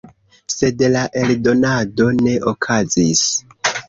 Sed la eldonado ne okazis.